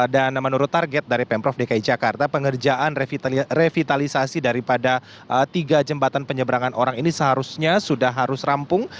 dan menurut target dari pemprov dki jakarta pengerjaan revitalisasi daripada tiga jembatan penyeberangan orang ini seharusnya sudah harus rampung